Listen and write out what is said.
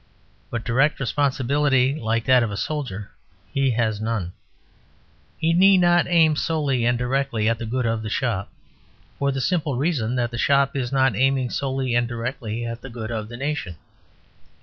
But direct responsibility like that of a soldier he has none. He need not aim solely and directly at the good of the shop; for the simple reason that the shop is not aiming solely and directly at the good of the nation.